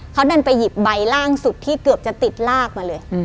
เขาดันไปหยิบใบล่างสุดที่เกือบจะติดลากมาเลย